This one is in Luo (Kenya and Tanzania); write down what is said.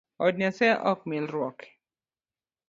Od nyasaye ok milruoke